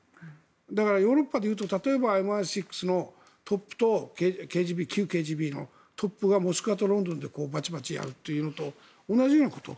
ヨーロッパで言えばＭＩ６のトップと旧ＫＧＢのトップがモスクワとロンドンでバチバチやるのと同じようなこと。